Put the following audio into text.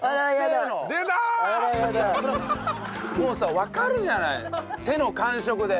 もうさわかるじゃない手の感触で。